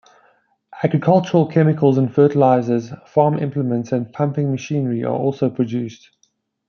Agricultural chemicals and fertilizers, farm implements, and pumping machinery are also produced.